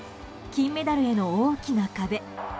金メダルへの大きな壁。